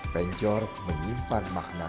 penjor menyimpan makna